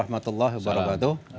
assalamualaikum wr wb